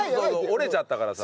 折れちゃったからさ。